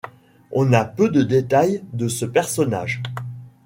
On a peu de détails de ce personnage.